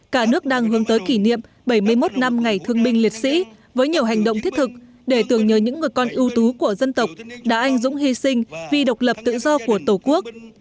cả nước đang hướng tới kỷ niệm bảy mươi một năm ngày thương binh liệt sĩ với nhiều hành động thiết thực để tưởng nhớ những người con ưu tú của dân tộc đã anh dũng hy sinh vì độc lập tự do của tổ quốc